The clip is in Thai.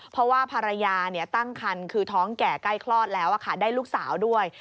เพราะว่าภรรยาตั้งคันคือท้องแก่ใกล้คลอดแล้วได้ลูกสาวด้วย